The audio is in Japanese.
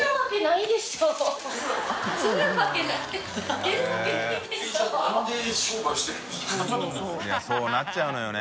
いそうなっちゃうのよね。